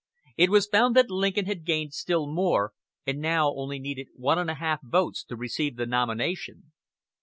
It was found that Lincoln had gained still more, and now only needed one and a half votes to receive the nomination.